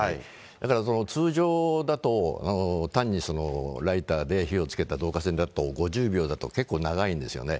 だから通常だと、単にライターで火をつけた導火線だと、５０秒だと結構長いんですよね。